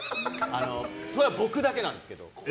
それは僕だけなんですけど。